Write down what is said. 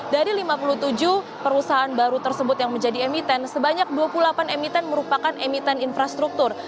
dari lima puluh tujuh perusahaan baru tersebut yang menjadi emiten sebanyak dua puluh delapan emiten merupakan emiten infrastruktur